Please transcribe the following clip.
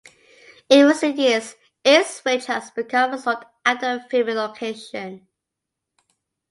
In recent years, Ipswich has become a sought-after filming location.